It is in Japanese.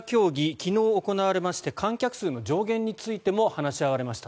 昨日、行われまして観客数の上限についても話し合われました。